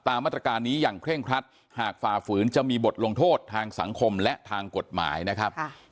มาตรการนี้อย่างเคร่งครัดหากฝ่าฝืนจะมีบทลงโทษทางสังคมและทางกฎหมายนะครับ